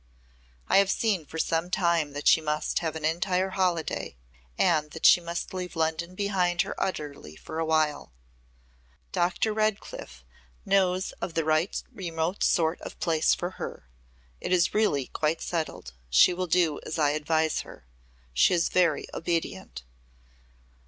I have seen for some time that she must have an entire holiday and that she must leave London behind her utterly for a while. Dr. Redcliff knows of the right remote sort of place for her. It is really quite settled. She will do as I advise her. She is very obedient."